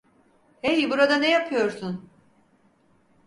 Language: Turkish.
Hey, burada ne yapıyorsun?